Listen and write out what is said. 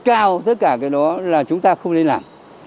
cao tất cả cái đó là chúng ta không nên làm